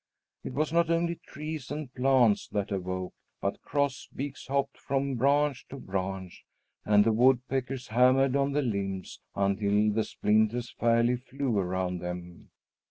It was not only trees and plants that awoke, but crossbeaks hopped from branch to branch, and the woodpeckers hammered on the limbs until the splinters fairly flew around them.